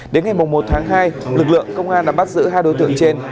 đến ngày một tháng hai lực lượng công an đã bắt giữ hai đối tượng trên